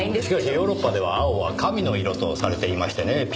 しかしヨーロッパでは青は神の色とされていましてね。